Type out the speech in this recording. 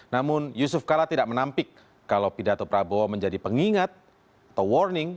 namun yusuf kala tidak menampik kalau pidato prabowo menjadi pengingat atau warning